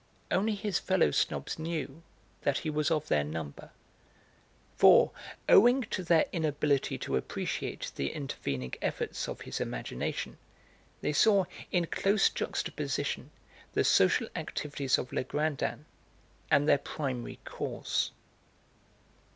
Only his fellow snobs knew that he was of their number, for, owing to their inability to appreciate the intervening efforts of his imagination, they saw in close juxtaposition the social activities of Legrandin and their primary cause.